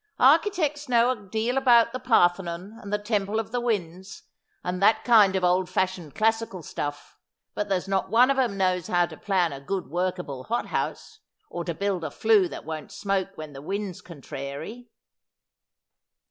' Architects know a deal about the Parthenon and the Temple of the Winds, and that kind of old fashioned classical stuff, but there's not one of em knows how to plan a good workable hot house, or to build a flue that won't smoke when the wind's contrairy.